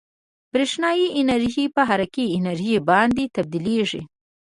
برېښنايي انرژي په حرکي انرژي باندې تبدیلیږي.